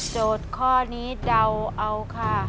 โจทย์ข้อนี้เดาเอาค่ะ